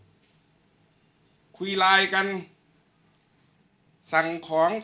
ช่างแอร์เนี้ยคือล้างหกเดือนครั้งยังไม่แอร์